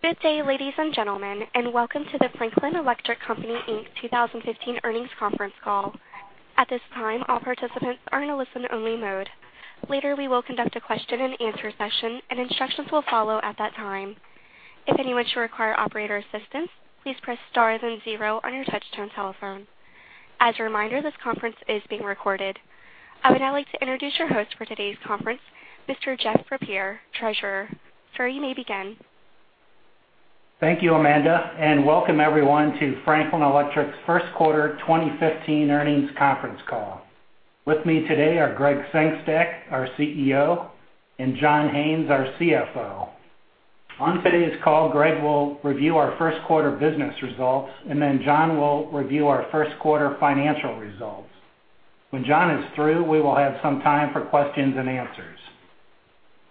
Good day, ladies and gentlemen, and welcome to the Franklin Electric Company, Inc 2015 Earnings Conference Call. At this time, all participants are in a listen-only mode. Later, we will conduct a question-and-answer session, and instructions will follow at that time. If anyone should require operator assistance, please press star and then zero on your touch-tone telephone. As a reminder, this conference is being recorded. I would now like to introduce your host for today's conference, Mr. Jeff Frappier, Treasurer. Sir, you may begin. Thank you, Amanda, and welcome everyone to Franklin Electric's first quarter 2015 earnings conference call. With me today are Gregg Sengstack, our CEO, and John Haines, our CFO. On today's call, Gregg will review our first quarter business results, and then John will review our first quarter financial results. When John is through, we will have some time for questions and answers.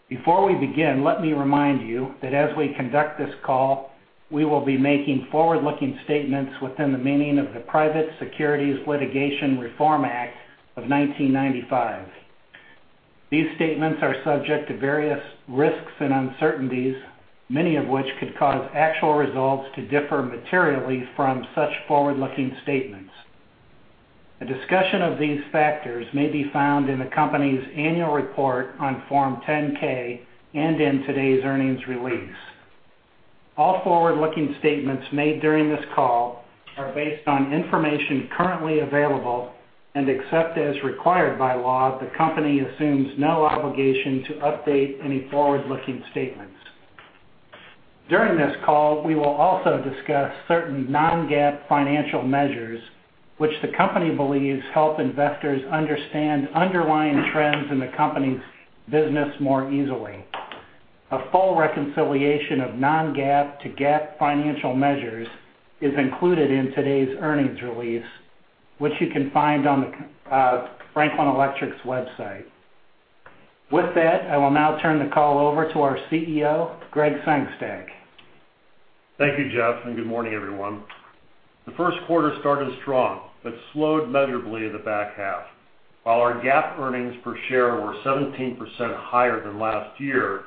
Before we begin, let me remind you that as we conduct this call, we will be making forward-looking statements within the meaning of the Private Securities Litigation Reform Act of 1995. These statements are subject to various risks and uncertainties, many of which could cause actual results to differ materially from such forward-looking statements. A discussion of these factors may be found in the company's annual report on Form 10-K and in today's earnings release. All forward-looking statements made during this call are based on information currently available, and except as required by law, the company assumes no obligation to update any forward-looking statements. During this call, we will also discuss certain non-GAAP financial measures, which the company believes help investors understand underlying trends in the company's business more easily. A full reconciliation of non-GAAP to GAAP financial measures is included in today's earnings release, which you can find on the Franklin Electric's website. With that, I will now turn the call over to our CEO, Gregg Sengstack. Thank you, Jeff, and good morning, everyone. The first quarter started strong but slowed measurably in the back half. While our GAAP earnings per share were 17% higher than last year,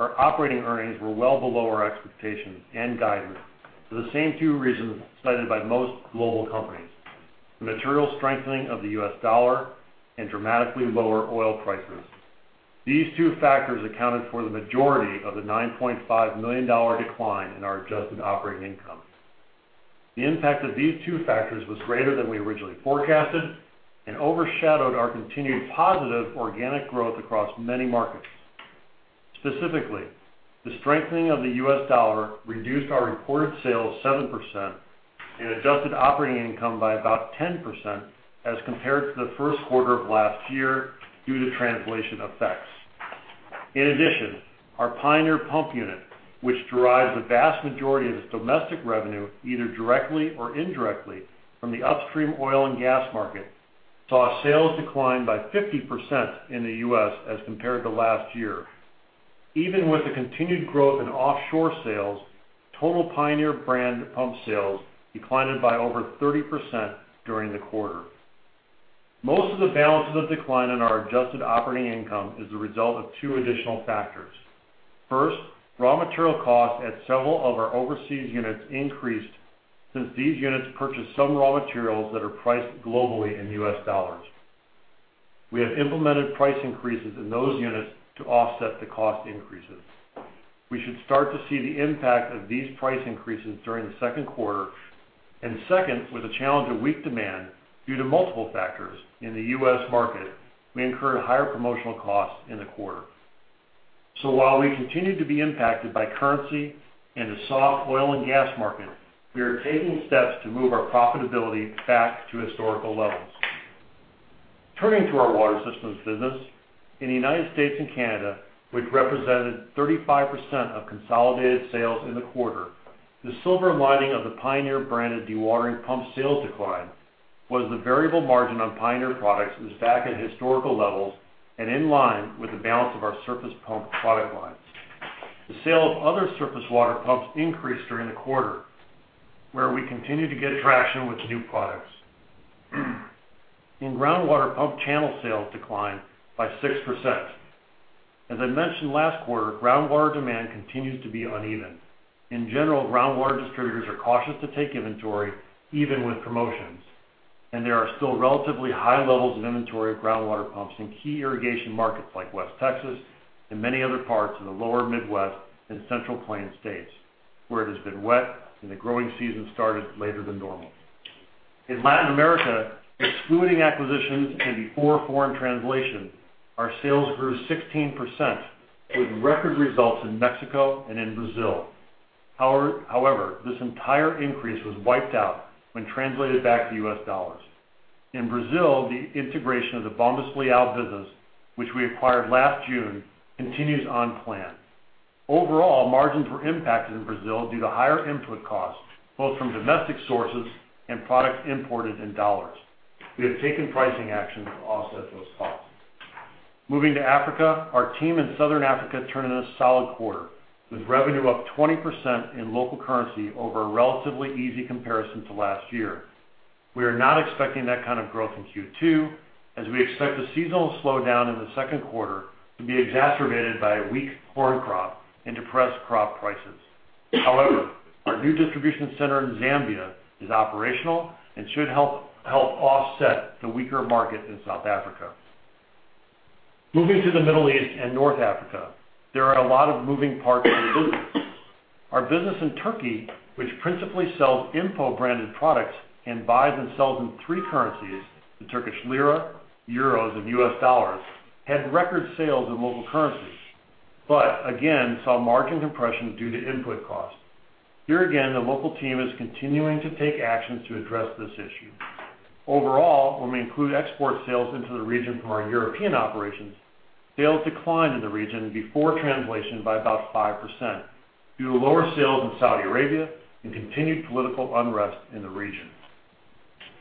our operating earnings were well below our expectations and guidance for the same two reasons cited by most global companies: the material strengthening of the U.S. dollar and dramatically lower oil prices. These two factors accounted for the majority of the $9.5 million decline in our adjusted operating income. The impact of these two factors was greater than we originally forecasted and overshadowed our continued positive organic growth across many markets. Specifically, the strengthening of the U.S. dollar reduced our reported sales 7% and adjusted operating income by about 10% as compared to the first quarter of last year due to translation effects. In addition, our Pioneer Pump unit, which derives a vast majority of its domestic revenue either directly or indirectly from the upstream oil and gas market, saw sales decline by 50% in the U.S. as compared to last year. Even with the continued growth in offshore sales, total Pioneer brand pump sales declined by over 30% during the quarter. Most of the balance of the decline in our adjusted operating income is the result of two additional factors. First, raw material costs at several of our overseas units increased since these units purchase some raw materials that are priced globally in U.S. dollars. We have implemented price increases in those units to offset the cost increases. We should start to see the impact of these price increases during the second quarter. And second, with the challenge of weak demand due to multiple factors in the U.S. market, we incurred higher promotional costs in the quarter. So while we continue to be impacted by currency and the soft oil and gas market, we are taking steps to move our profitability back to historical levels. Turning to our Water Systems business, in the United States and Canada, which represented 35% of consolidated sales in the quarter, the silver lining of the Pioneer branded dewatering pump sales decline was the variable margin on Pioneer products that was back at historical levels and in line with the balance of our surface pump product lines. The sale of other surface water pumps increased during the quarter, where we continue to get traction with new products. In groundwater pump channel sales declined by 6%. As I mentioned last quarter, groundwater demand continues to be uneven. In general, groundwater distributors are cautious to take inventory, even with promotions. There are still relatively high levels of inventory of groundwater pumps in key irrigation markets like West Texas and many other parts of the lower Midwest and Central Plains states, where it has been wet and the growing season started later than normal. In Latin America, excluding acquisitions and before foreign translation, our sales grew 16% with record results in Mexico and in Brazil. However, this entire increase was wiped out when translated back to U.S. dollars. In Brazil, the integration of the Bombas Leal business, which we acquired last June, continues on plan. Overall, margins were impacted in Brazil due to higher input costs, both from domestic sources and products imported in dollars. We have taken pricing action to offset those costs. Moving to Africa, our team in Southern Africa turned in a solid quarter, with revenue up 20% in local currency over a relatively easy comparison to last year. We are not expecting that kind of growth in Q2, as we expect the seasonal slowdown in the second quarter to be exacerbated by a weak corn crop and depressed crop prices. However, our new distribution center in Zambia is operational and should help offset the weaker market in South Africa. Moving to the Middle East and North Africa, there are a lot of moving parts in the business. Our business in Turkey, which principally sells Impo branded products and buys and sells in three currencies, the Turkish lira, euros, and U.S. dollars, had record sales in local currencies, but again saw margin compression due to input costs. Here again, the local team is continuing to take actions to address this issue. Overall, when we include export sales into the region from our European operations, sales declined in the region before translation by about 5% due to lower sales in Saudi Arabia and continued political unrest in the region.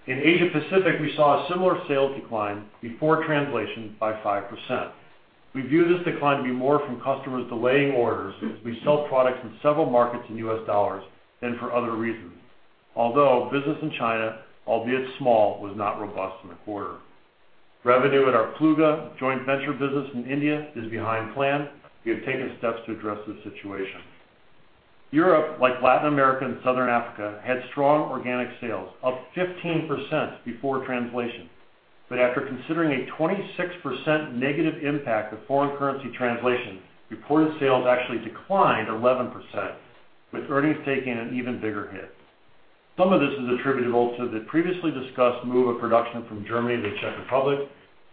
In Asia-Pacific, we saw a similar sales decline before translation by 5%. We view this decline to be more from customers delaying orders as we sell products in several markets in U.S. dollars than for other reasons, although business in China, albeit small, was not robust in the quarter. Revenue at our Pluga joint venture business in India is behind plan. We have taken steps to address this situation. Europe, like Latin America and Southern Africa, had strong organic sales, up 15% before translation. But after considering a 26% negative impact of foreign currency translation, reported sales actually declined 11%, with earnings taking an even bigger hit. Some of this is attributable to the previously discussed move of production from Germany to the Czech Republic.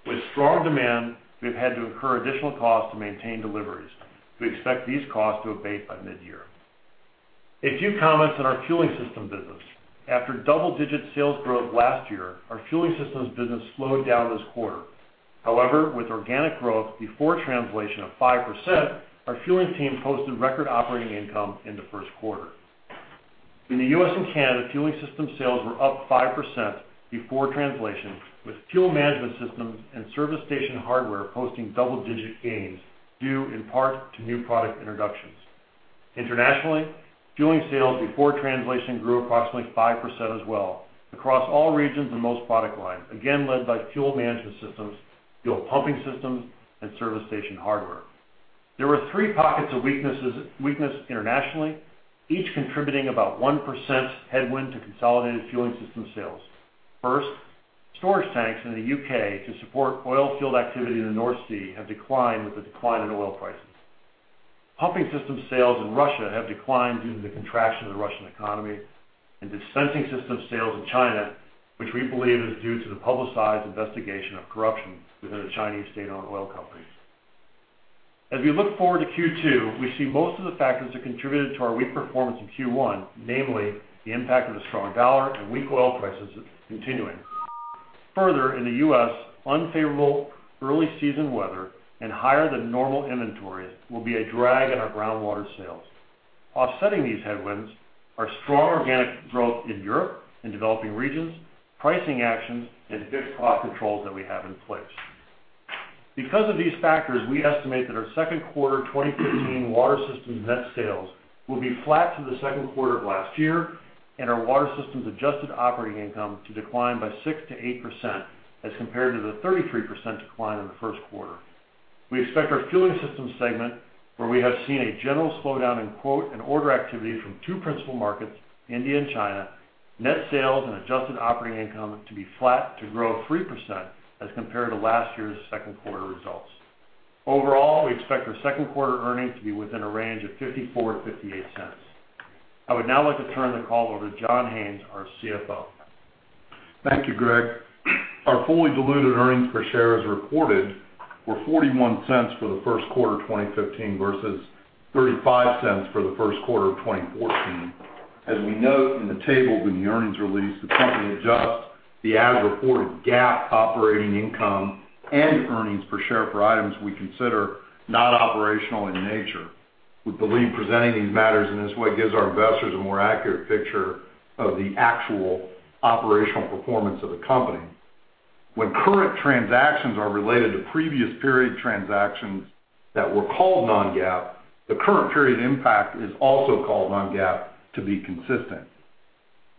With strong demand, we have had to incur additional costs to maintain deliveries. We expect these costs to abate by mid-year. A few comments on our Fueling Systems business. After double-digit sales growth last year, our Fueling Systemss business slowed down this quarter. However, with organic growth before translation of 5%, our fueling team posted record operating income in the first quarter. In the U.S. and Canada, Fueling Systems sales were up 5% before translation, with fuel management systems and service station hardware posting double-digit gains due, in part, to new product introductions. Internationally, fueling sales before translation grew approximately 5% as well, across all regions and most product lines, again led by fuel management systems, fuel pumping systems, and service station hardware. There were three pockets of weaknesses internationally, each contributing about 1% headwind to consolidated Fueling Systems sales. First, storage tanks in the U.K. to support oil field activity in the North Sea have declined with the decline in oil prices. Pumping system sales in Russia have declined due to the contraction of the Russian economy and dispensing system sales in China, which we believe is due to the publicized investigation of corruption within the Chinese state-owned oil companies. As we look forward to Q2, we see most of the factors that contributed to our weak performance in Q1, namely the impact of the strong dollar and weak oil prices continuing. Further, in the U.S., unfavorable early season weather and higher-than-normal inventories will be a drag on our groundwater sales. Offsetting these headwinds are strong organic growth in Europe and developing regions, pricing actions, and fixed cost controls that we have in place. Because of these factors, we estimate that our second quarter 2015 Water Systems net sales will be flat to the second quarter of last year, and our Water Systems adjusted operating income to decline by 6%-8% as compared to the 33% decline in the first quarter. We expect our Fueling Systemss segment, where we have seen a general slowdown in quote and order activity from two principal markets, India and China, net sales and adjusted operating income to be flat to grow 3% as compared to last year's second quarter results. Overall, we expect our second quarter earnings to be within a range of $0.54-$0.58. I would now like to turn the call over to John Haines, our CFO. Thank you, Gregg. Our fully diluted earnings per share as reported were $0.41 for the first quarter 2015 versus $0.35 for the first quarter of 2014. As we note in the table from the earnings release, the company adjusts the as-reported GAAP operating income and earnings per share for items we consider not operational in nature. We believe presenting these matters in this way gives our investors a more accurate picture of the actual operational performance of the company. When current transactions are related to previous period transactions that were called non-GAAP, the current period impact is also called non-GAAP to be consistent.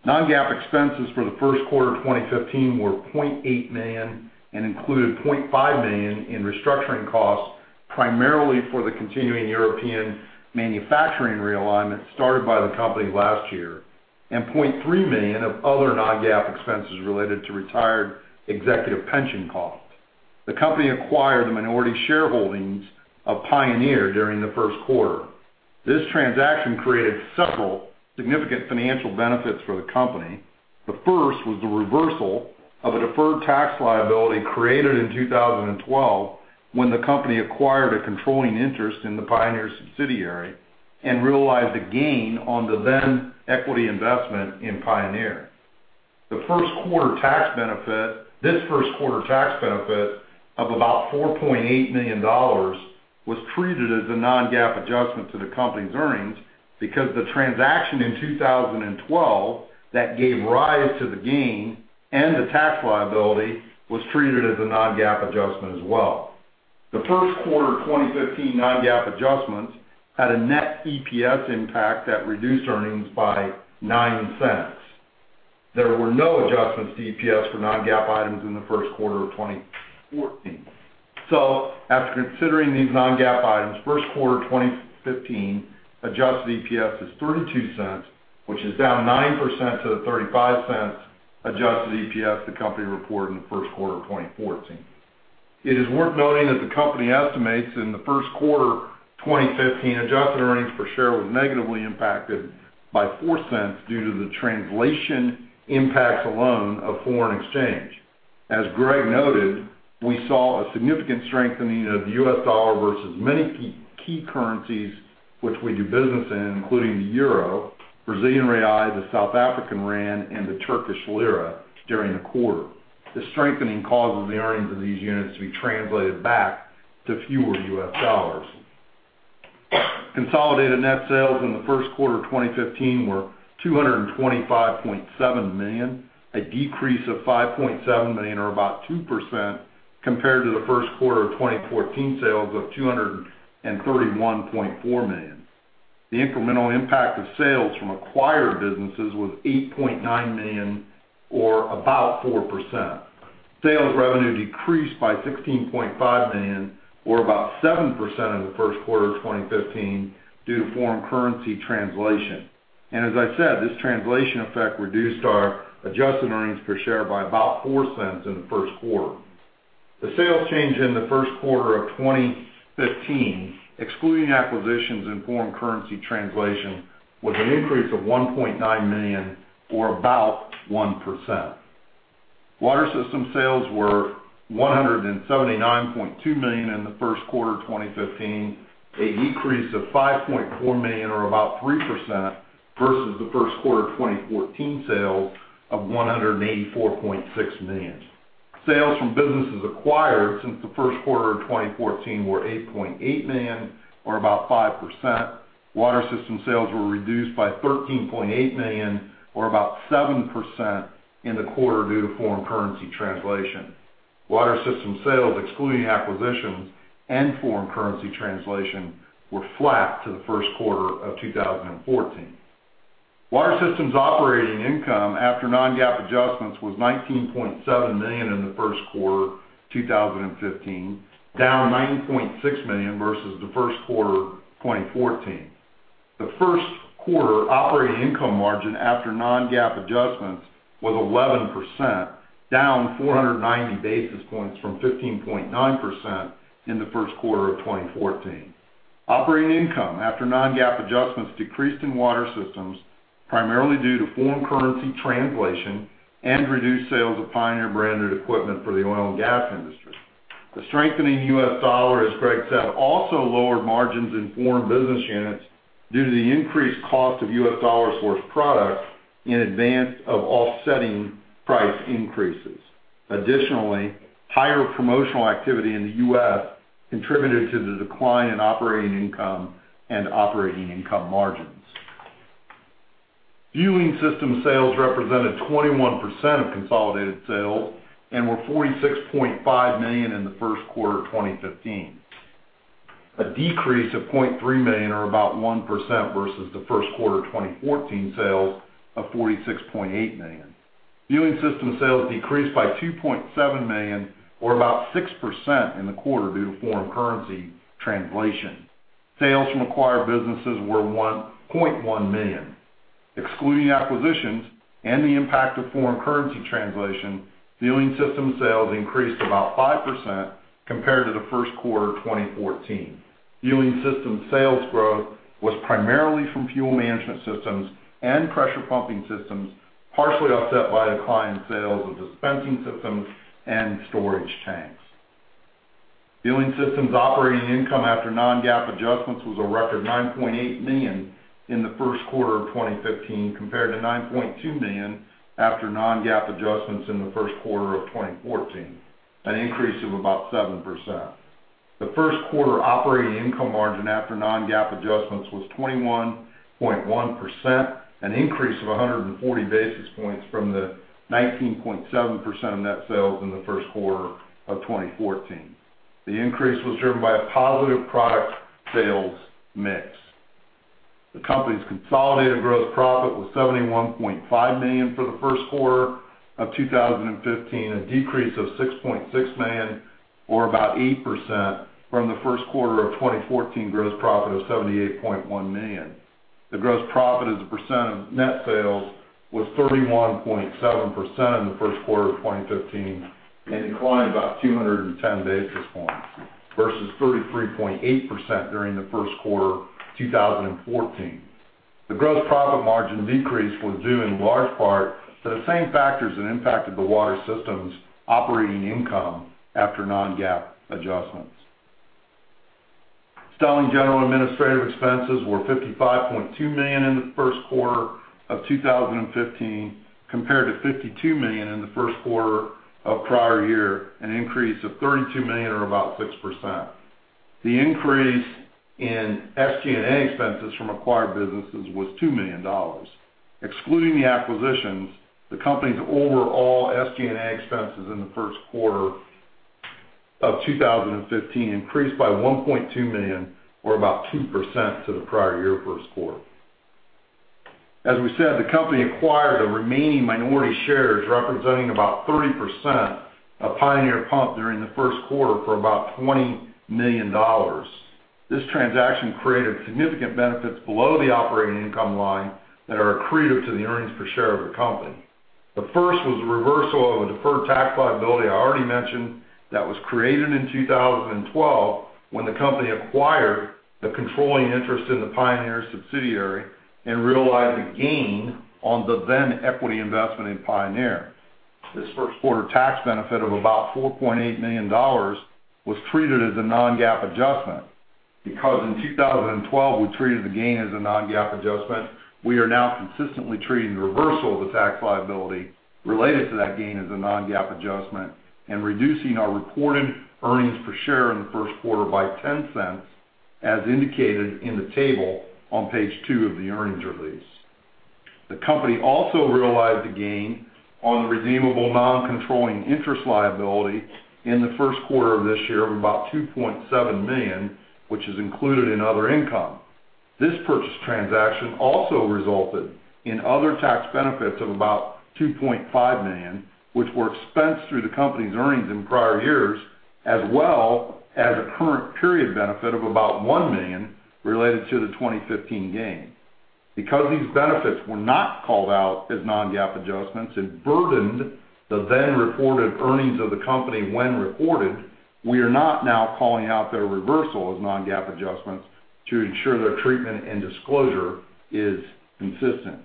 Non-GAAP expenses for the first quarter 2015 were $0.8 million and included $0.5 million in restructuring costs, primarily for the continuing European manufacturing realignment started by the company last year, and $0.3 million of other non-GAAP expenses related to retired executive pension costs. The company acquired the minority shareholdings of Pioneer during the first quarter. This transaction created several significant financial benefits for the company. The first was the reversal of a deferred tax liability created in 2012 when the company acquired a controlling interest in the Pioneer subsidiary and realized a gain on the then-equity investment in Pioneer. This first quarter tax benefit of about $4.8 million was treated as a non-GAAP adjustment to the company's earnings because the transaction in 2012 that gave rise to the gain and the tax liability was treated as a non-GAAP adjustment as well. The first quarter 2015 non-GAAP adjustments had a net EPS impact that reduced earnings by $0.09. There were no adjustments to EPS for non-GAAP items in the first quarter of 2014. So after considering these non-GAAP items, first quarter 2015 Adjusted EPS is $0.32, which is down 9% to the $0.35 Adjusted EPS the company reported in the first quarter of 2014. It is worth noting that the company estimates in the first quarter 2015 adjusted earnings per share was negatively impacted by $0.04 due to the translation impacts alone of foreign exchange. As Gregg noted, we saw a significant strengthening of the U.S. dollar versus many key currencies which we do business in, including the euro, Brazilian real, the South African rand, and the Turkish lira during the quarter. This strengthening causes the earnings of these units to be translated back to fewer U.S. dollars. Consolidated net sales in the first quarter of 2015 were $225.7 million, a decrease of $5.7 million or about 2% compared to the first quarter of 2014 sales of $231.4 million. The incremental impact of sales from acquired businesses was $8.9 million or about 4%. Sales revenue decreased by $16.5 million or about 7% in the first quarter of 2015 due to foreign currency translation. And as I said, this translation effect reduced our adjusted earnings per share by about $0.04 in the first quarter. The sales change in the first quarter of 2015, excluding acquisitions in foreign currency translation, was an increase of $1.9 million or about 1%. Water Systems sales were $179.2 million in the first quarter of 2015, a decrease of $5.4 million or about 3% versus the first quarter of 2014 sales of $184.6 million. Sales from businesses acquired since the first quarter of 2014 were $8.8 million or about 5%. Water Systems sales were reduced by $13.8 million or about 7% in the quarter due to foreign currency translation. Water Systems sales, excluding acquisitions and foreign currency translation, were flat to the first quarter of 2014. Water Systems operating income after non-GAAP adjustments was $19.7 million in the first quarter 2015, down $9.6 million versus the first quarter 2014. The first quarter operating income margin after non-GAAP adjustments was 11%, down 490 basis points from 15.9% in the first quarter of 2014. Operating income after non-GAAP adjustments decreased in Water Systems, primarily due to foreign currency translation and reduced sales of Pioneer branded equipment for the oil and gas industry. The strengthening U.S. dollar, as Gregg said, also lowered margins in foreign business units due to the increased cost of U.S. dollar source product in advance of offsetting price increases. Additionally, higher promotional activity in the U.S. contributed to the decline in operating income and operating income margins. Fueling Systems sales represented 21% of consolidated sales and were $46.5 million in the first quarter of 2015, a decrease of $0.3 million or about 1% versus the first quarter of 2014 sales of $46.8 million. Fueling Systems sales decreased by $2.7 million or about 6% in the quarter due to foreign currency translation. Sales from acquired businesses were $0.1 million. Excluding acquisitions and the impact of foreign currency Fueling Systems sales increased about 5% compared to the first quarter of 2014. Fueling Systems sales growth was primarily from fuel management systems and pressure pumping systems, partially offset by a decline in sales of dispensing systems and storage tanks. Fueling Systemss operating income after Non-GAAP adjustments was a record $9.8 million in the first quarter of 2015 compared to $9.2 million after Non-GAAP adjustments in the first quarter of 2014, an increase of about 7%. The first quarter operating income margin after Non-GAAP adjustments was 21.1%, an increase of 140 basis points from the 19.7% of net sales in the first quarter of 2014. The increase was driven by a positive product sales mix. The company's consolidated gross profit was $71.5 million for the first quarter of 2015, a decrease of $6.6 million or about 8% from the first quarter of 2014 gross profit of $78.1 million. The gross profit as a percent of net sales was 31.7% in the first quarter of 2015 and declined about 210 basis points versus 33.8% during the first quarter 2014. The gross profit margin decrease was due in large part to the same factors that impacted the Water Systems operating income after Non-GAAP adjustments. Selling, general and administrative expenses were $55.2 million in the first quarter of 2015 compared to $52 million in the first quarter of prior year, an increase of $3.2 million or about 6%. The increase in SG&A expenses from acquired businesses was $2 million. Excluding the acquisitions, the company's overall SG&A expenses in the first quarter of 2015 increased by $1.2 million or about 2% to the prior year first quarter. As we said, the company acquired the remaining minority shares representing about 30% of Pioneer Pump during the first quarter for about $20 million. This transaction created significant benefits below the operating income line that are accretive to the earnings per share of the company. The first was the reversal of a deferred tax liability I already mentioned that was created in 2012 when the company acquired the controlling interest in the Pioneer subsidiary and realized a gain on the then-equity investment in Pioneer. This first quarter tax benefit of about $4.8 million was treated as a non-GAAP adjustment. Because in 2012 we treated the gain as a non-GAAP adjustment, we are now consistently treating the reversal of the tax liability related to that gain as a non-GAAP adjustment and reducing our reported earnings per share in the first quarter by $0.10, as indicated in the table on Page two of the earnings release. The company also realized a gain on the redeemable non-controlling interest liability in the first quarter of this year of about $2.7 million, which is included in other income. This purchase transaction also resulted in other tax benefits of about $2.5 million, which were expensed through the company's earnings in prior years, as well as a current period benefit of about $1 million related to the 2015 gain. Because these benefits were not called out as non-GAAP adjustments and burdened the then-reported earnings of the company when reported, we are not now calling out their reversal as non-GAAP adjustments to ensure their treatment and disclosure is consistent.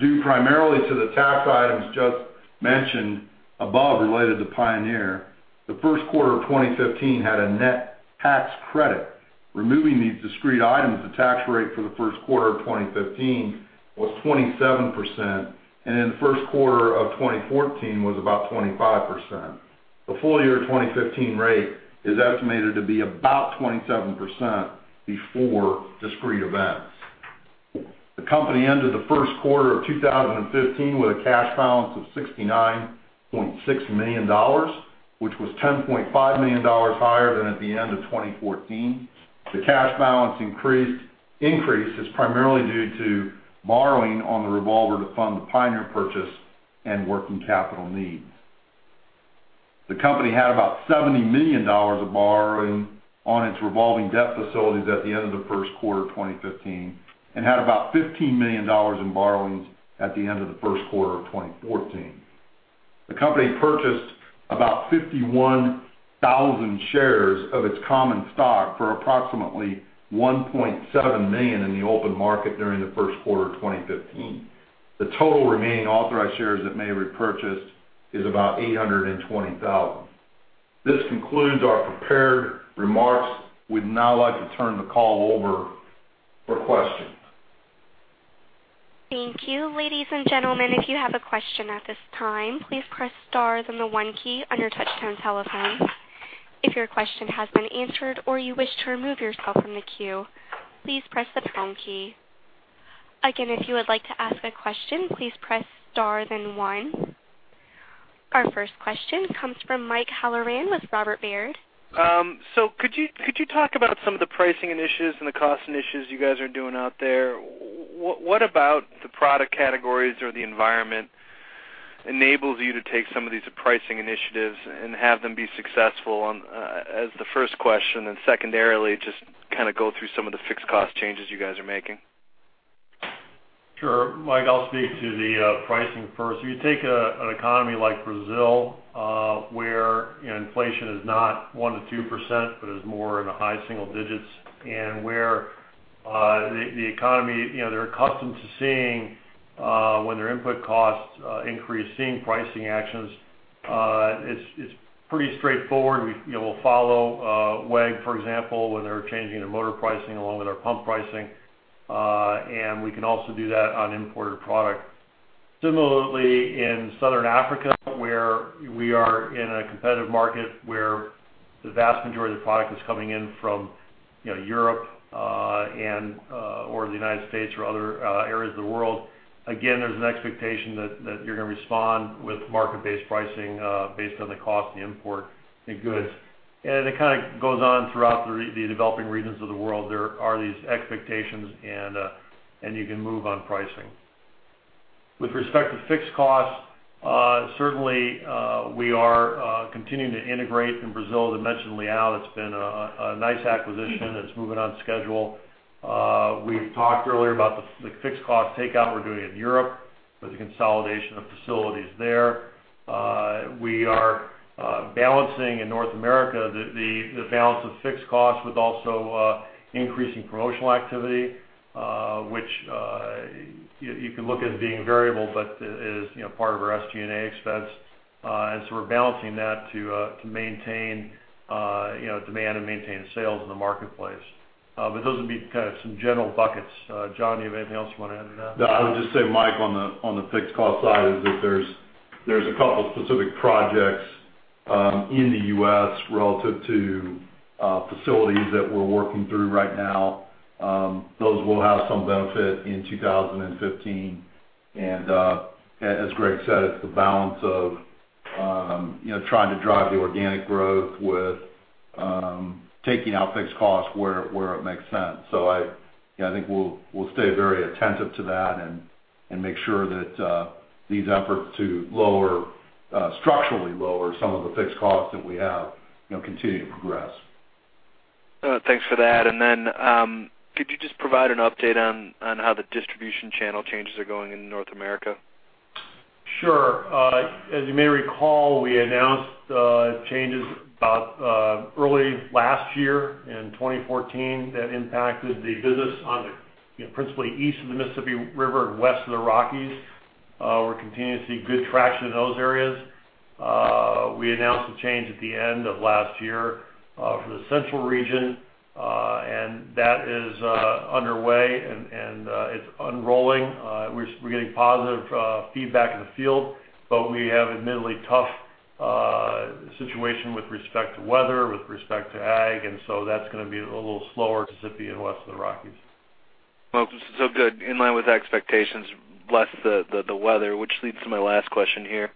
Due primarily to the tax items just mentioned above related to Pioneer, the first quarter of 2015 had a net tax credit. Removing these discrete items, the tax rate for the first quarter of 2015 was 27%, and in the first quarter of 2014 was about 25%. The full year 2015 rate is estimated to be about 27% before discrete events. The company ended the first quarter of 2015 with a cash balance of $69.6 million, which was $10.5 million higher than at the end of 2014. The cash balance increase is primarily due to borrowing on the revolver to fund the Pioneer purchase and working capital needs. The company had about $70 million of borrowing on its revolving debt facilities at the end of the first quarter of 2015 and had about $15 million in borrowings at the end of the first quarter of 2014. The company purchased about 51,000 shares of its common stock for approximately $1.7 million in the open market during the first quarter of 2015. The total remaining authorized shares that may have been purchased is about 820,000. This concludes our prepared remarks. We'd now like to turn the call over for questions. Thank you. Ladies and gentlemen, if you have a question at this time, please press star one on your touch-tone telephone. If your question has been answered or you wish to remove yourself from the queue, please press the pound key. Again, if you would like to ask a question, please press star then one. Our first question comes from Mike Halloran with Robert Baird. So could you talk about some of the pricing initiatives and the cost initiatives you guys are doing out there? What about the product categories or the environment enables you to take some of these pricing initiatives and have them be successful as the first question, and secondarily just kind of go through some of the fixed cost changes you guys are making? Sure. Mike, I'll speak to the pricing first. If you take an economy like Brazil where inflation is not 1%-2% but is more in the high single digits, and where the economy they're accustomed to seeing when their input costs increase, seeing pricing actions, it's pretty straightforward. We'll follow WEG, for example, when they're changing their motor pricing along with our pump pricing, and we can also do that on imported product. Similarly, in Southern Africa where we are in a competitive market where the vast majority of the product is coming in from Europe or the United States or other areas of the world, again, there's an expectation that you're going to respond with market-based pricing based on the cost of the imported goods. And it kind of goes on throughout the developing regions of the world. There are these expectations, and you can move on pricing. With respect to fixed costs, certainly, we are continuing to integrate in Brazil. As I mentioned, Leal, it's been a nice acquisition. It's moving on schedule. We've talked earlier about the fixed cost takeout we're doing in Europe with the consolidation of facilities there. We are balancing in North America the balance of fixed costs with also increasing promotional activity, which you can look at as being variable but is part of our SG&A expense. And so we're balancing that to maintain demand and maintain sales in the marketplace. But those would be kind of some general buckets. John, do you have anything else you want to add to that? No, I would just say, Mike, on the fixed cost side is that there's a couple of specific projects in the U.S. relative to facilities that we're working through right now. Those will have some benefit in 2015. As Gregg said, it's the balance of trying to drive the organic growth with taking out fixed costs where it makes sense. I think we'll stay very attentive to that and make sure that these efforts to structurally lower some of the fixed costs that we have continue to progress. Thanks for that. And then could you just provide an update on how the distribution channel changes are going in North America? Sure. As you may recall, we announced changes early last year in 2014 that impacted the business principally east of the Mississippi River and west of the Rockies. We're continuing to see good traction in those areas. We announced a change at the end of last year for the central region, and that is underway, and it's unrolling. We're getting positive feedback in the field, but we have admittedly a tough situation with respect to weather, with respect to ag, and so that's going to be a little slower. Mississippi and west of the Rockies. Well, so good. In line with expectations, less the weather, which leads to my last question here.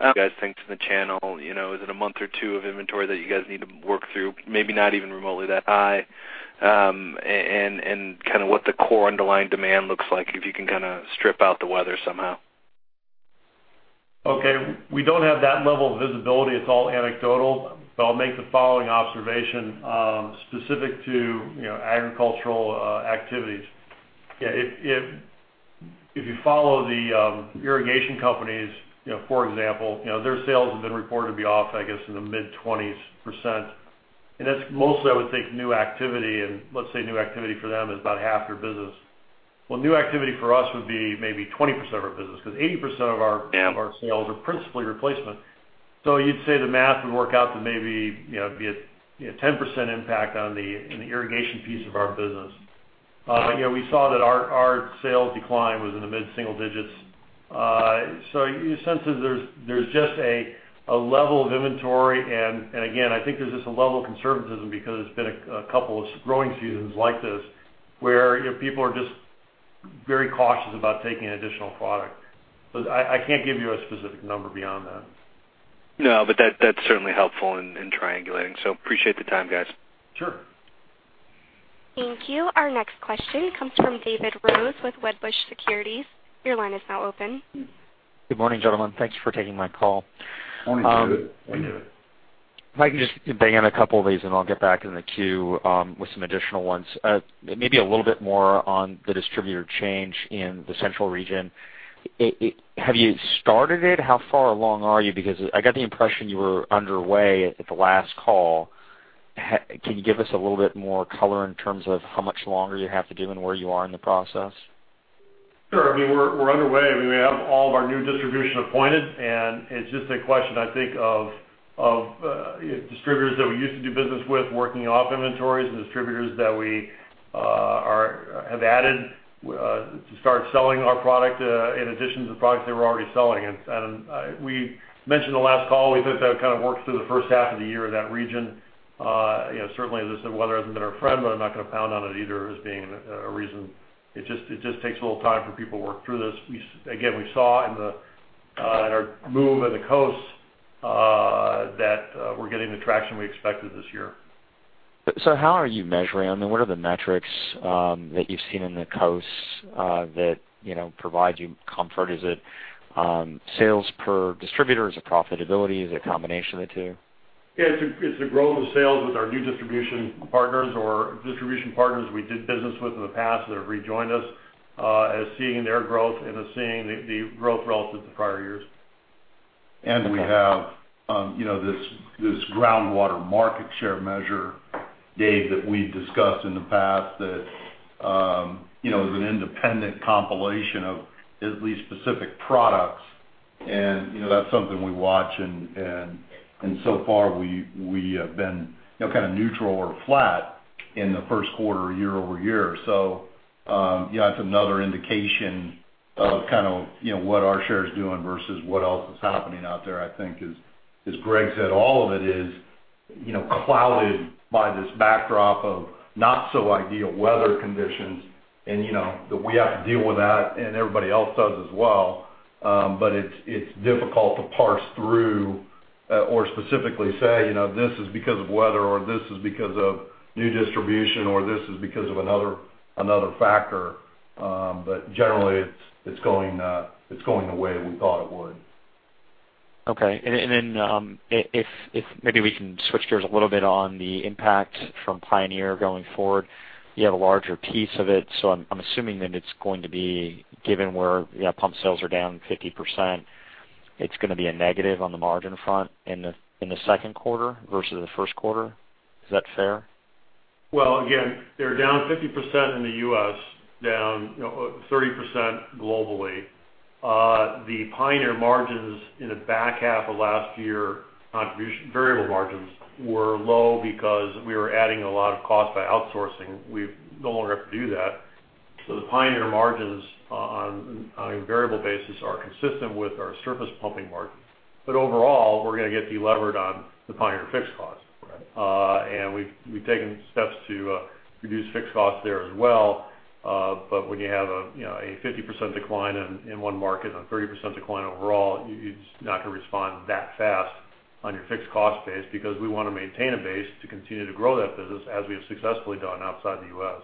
Guys, thanks to the channel? Is it a month or two of inventory that you guys need to work through, maybe not even remotely that high, and kind of what the core underlying demand looks like if you can kind of strip out the weather somehow? Okay. We don't have that level of visibility. It's all anecdotal, but I'll make the following observation specific to agricultural activities. Yeah, if you follow the irrigation companies, for example, their sales have been reported to be off, I guess, in the mid-20s percent. And that's mostly, I would think, new activity, and let's say new activity for them is about half their business. Well, new activity for us would be maybe 20% of our business because 80% of our sales are principally replacement. So you'd say the math would work out to maybe be a 10% impact on the irrigation piece of our business. We saw that our sales decline was in the mid-single digits. Your sense is there's just a level of inventory, and again, I think there's just a level of conservatism because it's been a couple of growing seasons like this where people are just very cautious about taking additional product. I can't give you a specific number beyond that. No, but that's certainly helpful in triangulating. So appreciate the time, guys. Sure. Thank you. Our next question comes from David Rose with Wedbush Securities. Your line is now open. Good morning, gentlemen. Thanks for taking my call. Morning, David. Morning, David. If I can just bang in a couple of these, and I'll get back in the queue with some additional ones. Maybe a little bit more on the distributor change in the central region. Have you started it? How far along are you? Because I got the impression you were underway at the last call. Can you give us a little bit more color in terms of how much longer you have to do and where you are in the process? Sure. I mean, we're underway. I mean, we have all of our new distributors appointed, and it's just a question, I think, of distributors that we used to do business with, working off inventories, and distributors that we have added to start selling our product in addition to the products they were already selling. And we mentioned the last call. We think that kind of works through the first half of the year in that region. Certainly, this weather hasn't been our friend, but I'm not going to pound on it either as being a reason. It just takes a little time for people to work through this. Again, we saw in our move in the coasts that we're getting the traction we expected this year. How are you measuring? I mean, what are the metrics that you've seen in the coasts that provide you comfort? Is it sales per distributor? Is it profitability? Is it a combination of the two? Yeah, it's the growth of sales with our new distribution partners or distribution partners we did business with in the past that have rejoined us, as seeing their growth and as seeing the growth relative to prior years. We have this groundwater market share measure, Dave, that we've discussed in the past that is an independent compilation of at least specific products, and that's something we watch. So far, we have been kind of neutral or flat in the first quarter year over year. So that's another indication of kind of what our share is doing versus what else is happening out there, I think. As Gregg said, all of it is clouded by this backdrop of not-so-ideal weather conditions, and we have to deal with that, and everybody else does as well. But it's difficult to parse through or specifically say, "This is because of weather," or, "This is because of new distribution," or, "This is because of another factor." But generally, it's going the way we thought it would. Okay. And then maybe we can switch gears a little bit on the impact from Pioneer going forward. You have a larger piece of it, so I'm assuming that it's going to be given where pump sales are down 50%, it's going to be a negative on the margin front in the second quarter versus the first quarter. Is that fair? Well, again, they're down 50% in the U.S., down 30% globally. The Pioneer margins in the back half of last year variable margins were low because we were adding a lot of cost by outsourcing. We no longer have to do that. So the Pioneer margins on a variable basis are consistent with our surface pumping margin. But overall, we're going to get delevered on the Pioneer fixed cost. And we've taken steps to reduce fixed costs there as well. But when you have a 50% decline in one market and a 30% decline overall, you're just not going to respond that fast on your fixed cost base because we want to maintain a base to continue to grow that business as we have successfully done outside the U.S.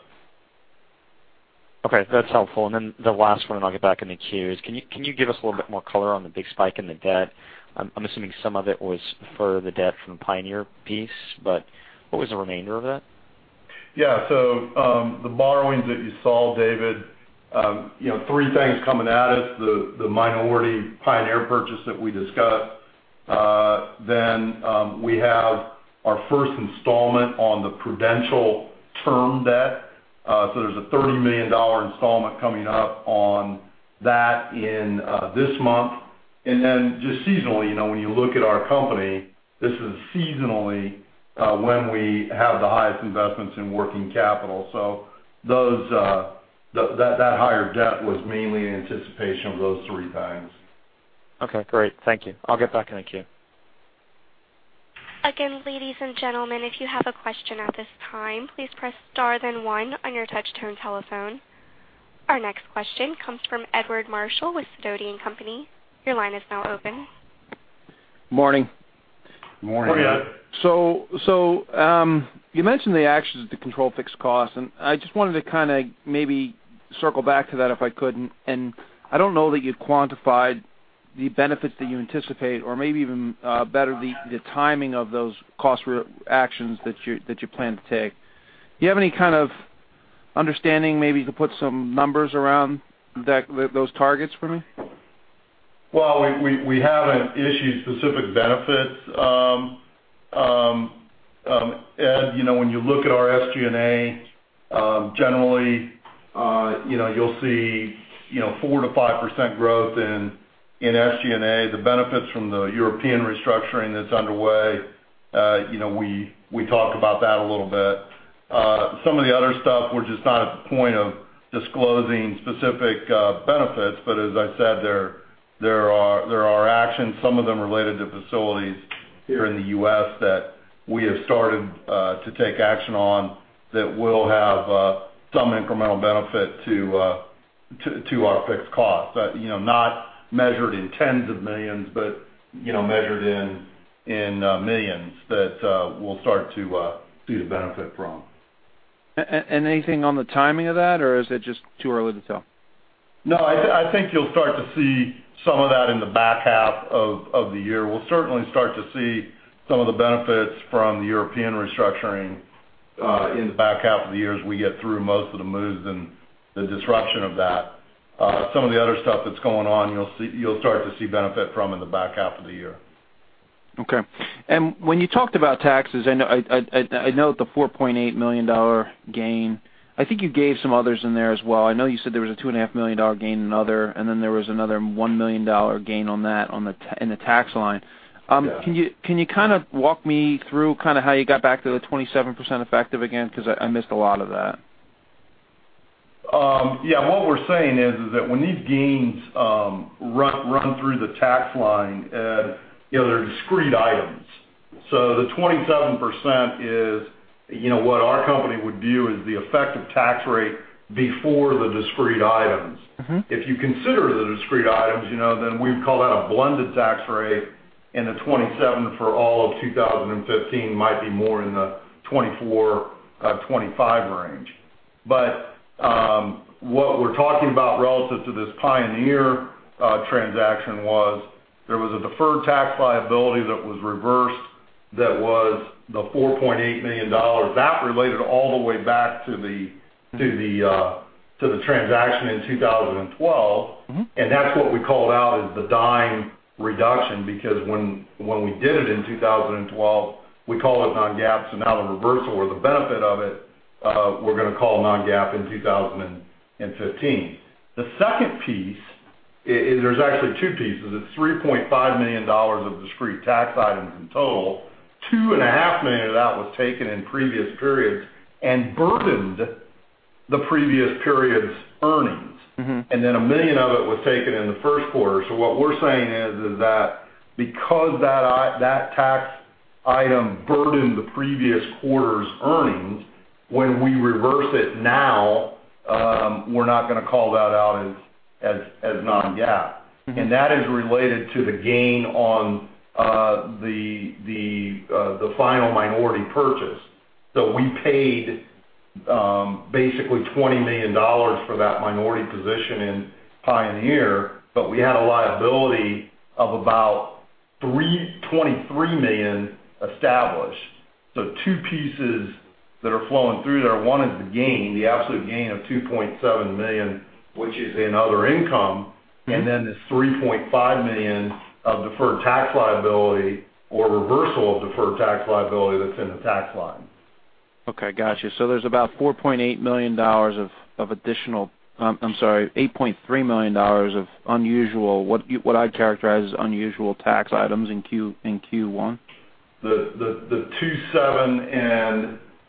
Okay. That's helpful. And then the last one, and I'll get back in the queue, is can you give us a little bit more color on the big spike in the debt? I'm assuming some of it was for the debt from the Pioneer piece, but what was the remainder of that? Yeah. So the borrowings that you saw, David, three things coming at us: the minority Pioneer purchase that we discussed. Then we have our first installment on the Prudential term debt. So there's a $30 million installment coming up on that in this month. And then just seasonally, when you look at our company, this is seasonally when we have the highest investments in working capital. So that higher debt was mainly in anticipation of those three things. Okay. Great. Thank you. I'll get back in the queue. Again, ladies and gentlemen, if you have a question at this time, please press star then one on your touch-tone telephone. Our next question comes from Edward Marshall with Sidoti & Company. Your line is now open. Morning. Morning. Morning, Ed. You mentioned the actions to control fixed costs, and I just wanted to kind of maybe circle back to that if I could. I don't know that you've quantified the benefits that you anticipate, or maybe even better, the timing of those cost actions that you plan to take. Do you have any kind of understanding maybe to put some numbers around those targets for me? Well, we haven't issued specific benefits. Ed, when you look at our SG&A, generally, you'll see 4%-5% growth in SG&A. The benefits from the European restructuring that's underway, we talk about that a little bit. Some of the other stuff, we're just not at the point of disclosing specific benefits. But as I said, there are actions, some of them related to facilities here in the U.S. that we have started to take action on that will have some incremental benefit to our fixed costs. Not measured in tens of millions but measured in millions that we'll start to see the benefit from. Anything on the timing of that, or is it just too early to tell? No, I think you'll start to see some of that in the back half of the year. We'll certainly start to see some of the benefits from the European restructuring in the back half of the year as we get through most of the moves and the disruption of that. Some of the other stuff that's going on, you'll start to see benefit from in the back half of the year. Okay. And when you talked about taxes, I note the $4.8 million gain. I think you gave some others in there as well. I know you said there was a $2.5 million gain in other, and then there was another $1 million gain on that in the tax line. Can you kind of walk me through kind of how you got back to the 27% effective again? Because I missed a lot of that. Yeah. What we're saying is that when these gains run through the tax line, Ed, they're discrete items. So the 27% is what our company would view as the effective tax rate before the discrete items. If you consider the discrete items, then we would call that a blended tax rate, and the 27% for all of 2015 might be more in the 24%-25% range. But what we're talking about relative to this Pioneer transaction was there was a deferred tax liability that was reversed that was the $4.8 million. That related all the way back to the transaction in 2012, and that's what we called out as the dime reduction because when we did it in 2012, we called it non-GAAP, so now the reversal or the benefit of it, we're going to call non-GAAP in 2015. The second piece, there's actually two pieces. It's $3.5 million of discrete tax items in total. $2.5 million of that was taken in previous periods and burdened the previous period's earnings, and then $1 million of it was taken in the first quarter. So what we're saying is that because that tax item burdened the previous quarter's earnings, when we reverse it now, we're not going to call that out as non-GAAP. And that is related to the gain on the final minority purchase. So we paid basically $20 million for that minority position in Pioneer, but we had a liability of about $23 million established. So 2 pieces that are flowing through there. One is the gain, the absolute gain of $2.7 million, which is in other income, and then the $3.5 million of deferred tax liability or reversal of deferred tax liability that's in the tax line. Okay. Gotcha. So there's about $4.8 million of additional I'm sorry, $8.3 million of unusual, what I'd characterize as unusual tax items in Q1?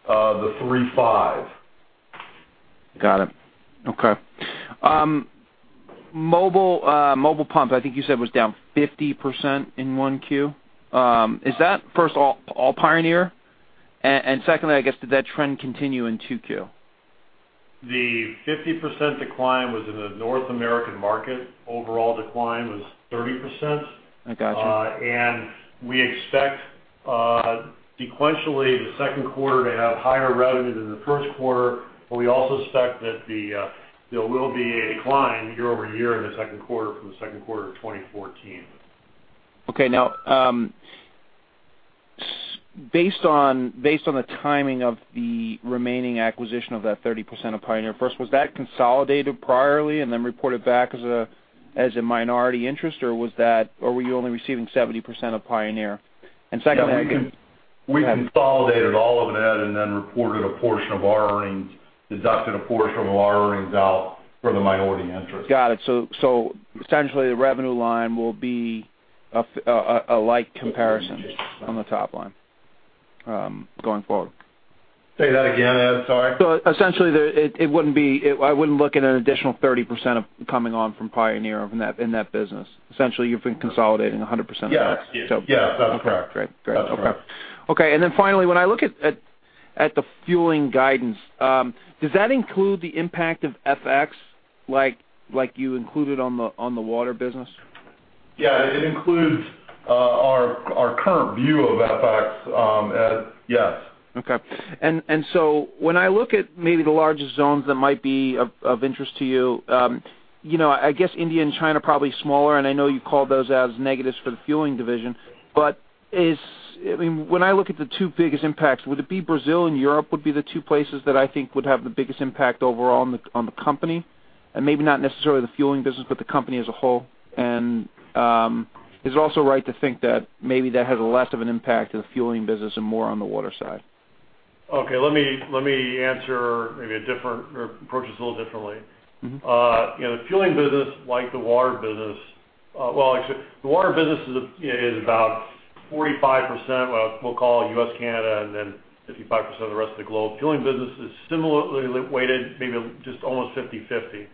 The 27 and the 35. Got it. Okay. Mobile pumps, I think you said was down 50% in 1Q. Is that, first of all, all Pioneer? And secondly, I guess, did that trend continue in 2Q? The 50% decline was in the North American market. Overall decline was 30%. We expect sequentially the second quarter to have higher revenue than the first quarter, but we also expect that there will be a decline year-over-year in the second quarter from the second quarter of 2014. Okay. Now, based on the timing of the remaining acquisition of that 30% of Pioneer, first, was that consolidated previously and then reported back as a minority interest, or were you only receiving 70% of Pioneer? And secondly, I mean. Yeah. We consolidated all of it, Ed, and then reported a portion of our earnings, deducted a portion of our earnings out for the minority interest. Got it. So essentially, the revenue line will be a like comparison on the top line going forward. Say that again, Ed. Sorry. So essentially, it wouldn't be. I wouldn't look at an additional 30% coming on from Pioneer in that business. Essentially, you've been consolidating 100% of that, so. Yes. Yes. That's correct. Great. Great. Okay. Okay. And then finally, when I look at the fueling guidance, does that include the impact of FX like you included on the water business? Yeah. It includes our current view of FX, Ed. Yes. Okay. And so when I look at maybe the largest zones that might be of interest to you, I guess India and China are probably smaller, and I know you called those as negatives for the fueling division. But I mean, when I look at the two biggest impacts, would it be Brazil and Europe would be the two places that I think would have the biggest impact overall on the company? And maybe not necessarily the fueling business, but the company as a whole. And is it also right to think that maybe that has less of an impact in the fueling business and more on the water side? Okay. Let me answer maybe a different approach this a little differently. The fueling business, like the water business well, actually, the water business is about 45%, what we'll call U.S., Canada, and then 55% of the rest of the globe. Fueling business is similarly weighted, maybe just almost 50/50.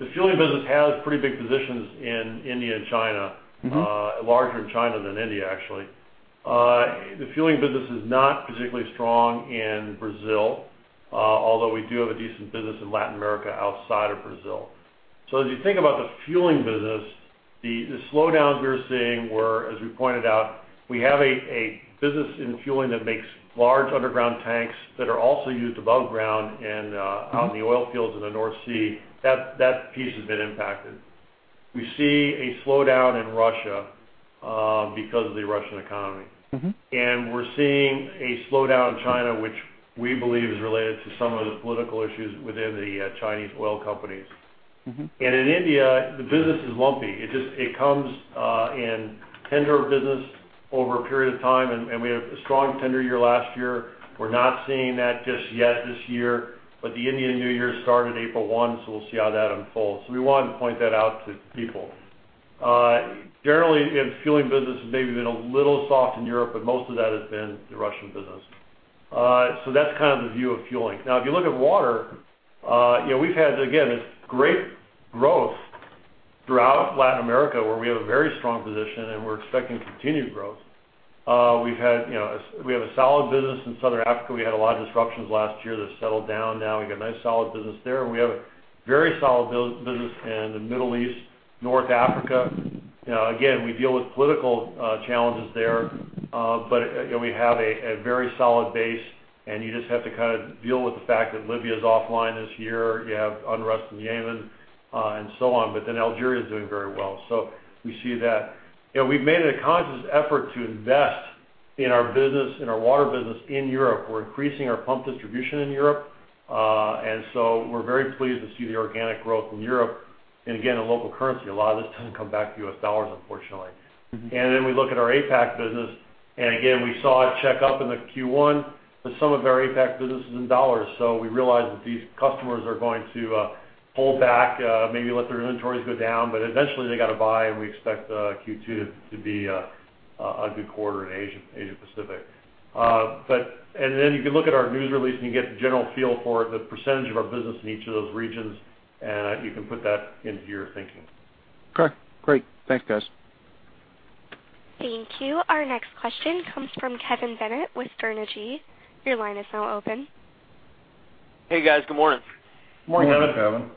The fueling business has pretty big positions in India and China, larger in China than India, actually. The fueling business is not particularly strong in Brazil, although we do have a decent business in Latin America outside of Brazil. So as you think about the fueling business, the slowdowns we were seeing were, as we pointed out, we have a business in fueling that makes large underground tanks that are also used above ground and out in the oil fields in the North Sea. That piece has been impacted. We see a slowdown in Russia because of the Russian economy. We're seeing a slowdown in China, which we believe is related to some of the political issues within the Chinese oil companies. And in India, the business is lumpy. It comes in tender business over a period of time, and we had a strong tender year last year. We're not seeing that just yet this year, but the Indian New Year started April 1, so we'll see how that unfolds. We wanted to point that out to people. Generally, the fueling business has maybe been a little soft in Europe, but most of that has been the Russian business. That's kind of the view of fueling. Now, if you look at water, we've had, again, this great growth throughout Latin America where we have a very strong position, and we're expecting continued growth. We have a solid business in Southern Africa. We had a lot of disruptions last year. They've settled down now. We got a nice, solid business there. We have a very solid business in the Middle East, North Africa. Again, we deal with political challenges there, but we have a very solid base, and you just have to kind of deal with the fact that Libya is offline this year. You have unrest in Yemen and so on, but then Algeria is doing very well. We see that. We've made it a conscious effort to invest in our business, in our water business, in Europe. We're increasing our pump distribution in Europe, and so we're very pleased to see the organic growth in Europe and, again, in local currency. A lot of this doesn't come back to U.S. dollars, unfortunately. Then we look at our APAC business, and again, we saw it check up in the Q1, but some of our APAC business is in dollars. We realize that these customers are going to pull back, maybe let their inventories go down, but eventually, they got to buy, and we expect Q2 to be a good quarter in Asia-Pacific. Then you can look at our news release, and you get the general feel for it, the percentage of our business in each of those regions, and you can put that into your thinking. Okay. Great. Thanks, guys. Thank you. Our next question comes from Kevin Bennett with Sterne Agee. Your line is now open. Hey, guys. Good morning. Morning, Kevin. Good morning, Kevin.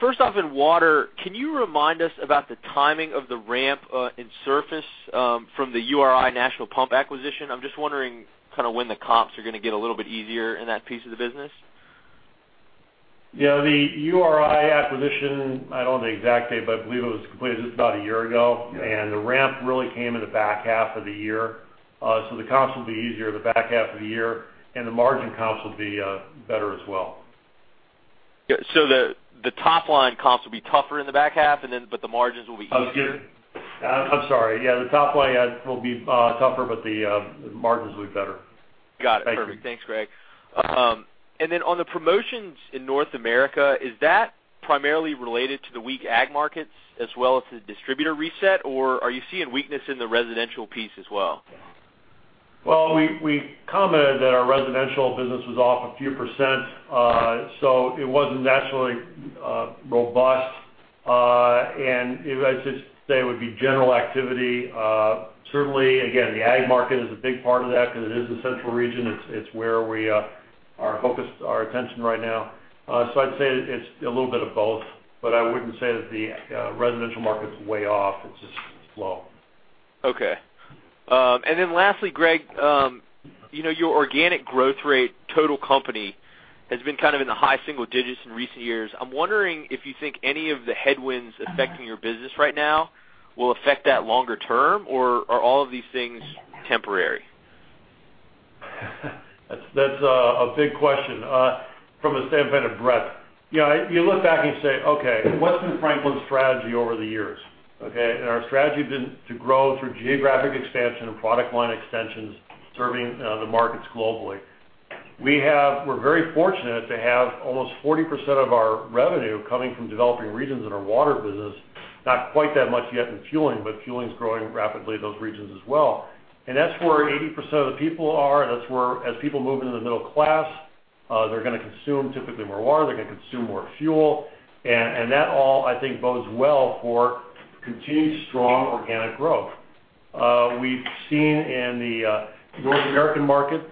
First off, in water, can you remind us about the timing of the ramp in surface from the Pioneer Pump acquisition? I'm just wondering kind of when the comps are going to get a little bit easier in that piece of the business. Yeah. The URI acquisition, I don't know the exact date, but I believe it was completed just about a year ago, and the ramp really came in the back half of the year. So the comps will be easier in the back half of the year, and the margin comps will be better as well. So the top-line comps will be tougher in the back half, but the margins will be easier? I'm sorry. Yeah. The top-line will be tougher, but the margins will be better. Got it. Perfect. Thanks, Gregg. And then on the promotions in North America, is that primarily related to the weak ag markets as well as the distributor reset, or are you seeing weakness in the residential piece as well? Well, we commented that our residential business was off a few percent, so it wasn't naturally robust. I'd just say it would be general activity. Certainly, again, the ag market is a big part of that because it is the central region. It's where we are focused our attention right now. I'd say it's a little bit of both, but I wouldn't say that the residential market's way off. It's just slow. Okay. And then lastly, Gregg, your organic growth rate total company has been kind of in the high single digits in recent years. I'm wondering if you think any of the headwinds affecting your business right now will affect that longer term, or are all of these things temporary? That's a big question from the standpoint of breadth. You look back and you say, "Okay. What's been Franklin's strategy over the years?" Okay? And our strategy has been to grow through geographic expansion and product line extensions serving the markets globally. We're very fortunate to have almost 40% of our revenue coming from developing regions in our water business, not quite that much yet in fueling, but fueling's growing rapidly in those regions as well. And that's where 80% of the people are. As people move into the middle class, they're going to consume typically more water. They're going to consume more fuel. And that all, I think, bodes well for continued strong organic growth. We've seen in the North American market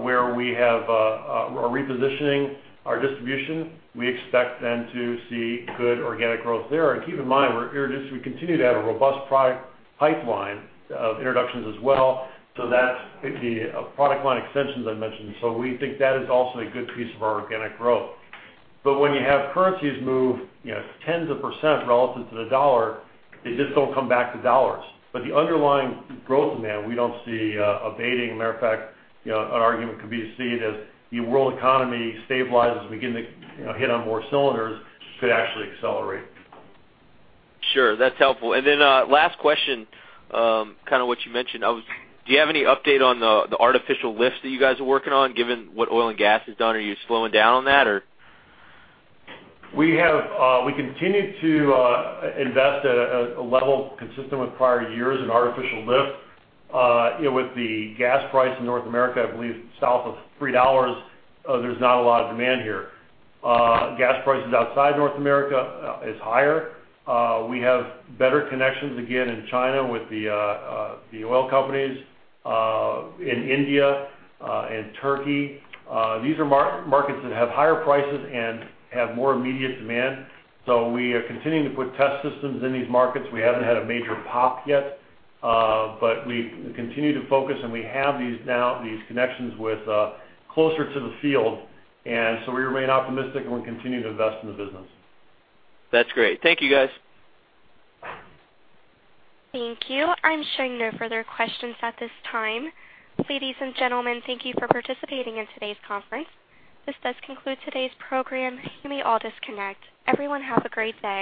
where we are repositioning our distribution, we expect then to see good organic growth there. Keep in mind, we continue to have a robust product pipeline of introductions as well, so that's the product line extensions I mentioned. We think that is also a good piece of our organic growth. But when you have currencies move tens of percent relative to the dollar, they just don't come back to dollars. But the underlying growth demand, we don't see abating. As a matter of fact, an argument could be seen as the world economy stabilizes and we get to hit on more cylinders. Could actually accelerate. Sure. That's helpful. And then last question, kind of what you mentioned, do you have any update on the artificial lift that you guys are working on given what oil and gas has done? Are you slowing down on that, or? We continue to invest at a level consistent with prior years in artificial lift. With the gas price in North America, I believe south of $3, there's not a lot of demand here. Gas prices outside North America are higher. We have better connections, again, in China with the oil companies, in India, in Turkey. These are markets that have higher prices and have more immediate demand. So we are continuing to put test systems in these markets. We haven't had a major pop yet, but we continue to focus, and we have these connections closer to the field. And so we remain optimistic, and we continue to invest in the business. That's great. Thank you, guys. Thank you. I'm showing no further questions at this time. Ladies and gentlemen, thank you for participating in today's conference. This does conclude today's program. You may all disconnect. Everyone, have a great day.